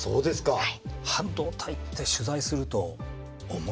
はい。